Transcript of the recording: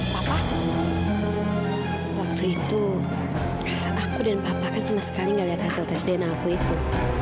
papa waktu itu aku dan papa kan sama sekali gak lihat hasil tes dna aku itu